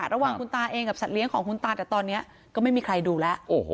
ระหว่างคุณตาเองกับสัตว์ของคุณตาแต่ตอนนี้ก็ไม่มีใครดูแล้ว